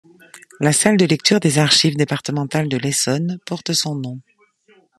La salle de lecture des Archives départementales de l'Essonne porte son nom.